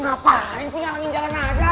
ngapain sih ngalamin jalan ada